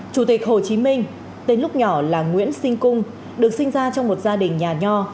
chủ tịch hồ chí minh tên lúc nhỏ là nguyễn sinh cung được sinh ra trong một gia đình nhà nho